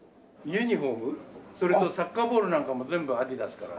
ユニホームそれとサッカーボールなんかも全部アディダスから。